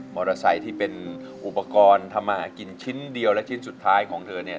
ไซค์ที่เป็นอุปกรณ์ทำมาหากินชิ้นเดียวและชิ้นสุดท้ายของเธอเนี่ย